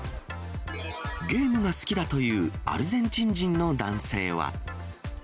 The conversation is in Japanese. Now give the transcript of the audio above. ゲームが好きだというアルゼンチン人の男性は。